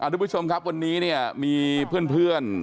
ทุกผู้ชมครับวันนี้เนี่ยมีเพื่อน